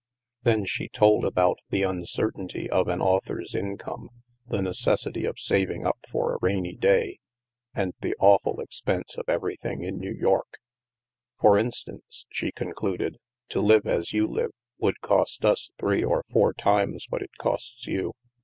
Then she told about the imcertainty of an au thor's income, the necessity of saving up for a rainy day, and the awful expense of everything in New York. " For instance," she concluded, " to live as you live would cost us three or four times what it costs you.